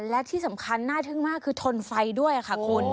และที่สำคัญน่าทึ่งมากคือทนไฟด้วยค่ะคุณ